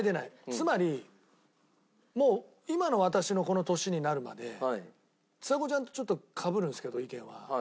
つまりもう今の私のこの年になるまでちさ子ちゃんとちょっとかぶるんですけど意見は。